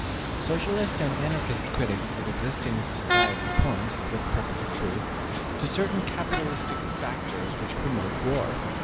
Socialist and Anarchist critics of existing society point, with perfect truth, to certain capitalistic factors which promote war.